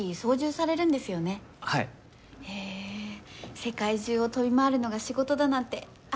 世界中を飛び回るのが仕事だなんて憧れちゃいます！